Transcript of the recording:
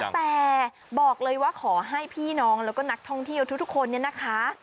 แต่บอกเลยว่าขอให้พี่น้องแล้วก็นักท่องเที่ยวทุกคนเนี่ยนะคะ